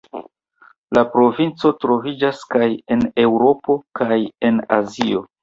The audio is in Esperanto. La provinco troviĝas kaj en Eŭropo kaj en Azio.